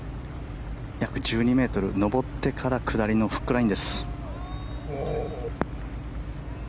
約１２ｍ上ってから下りのフックラインです。